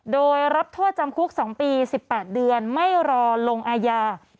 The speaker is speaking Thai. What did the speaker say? โดยรับโทษจำคุก๒ปี๑๘เดือนไม่รอลงอาญา